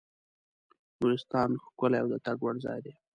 نورستان ښکلی او د تګ وړ ځای دی.